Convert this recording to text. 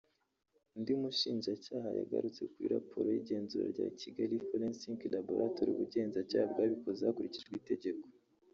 undi mushinjacyaha yagarutse kuri raporo y’igenzura rya Kigali Forensic Laboratory ubugenzacyaha bwabikoze hakurikijwe itegeko